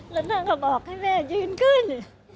แล้วแม่ก็บอกให้แม่ยืนขึ้น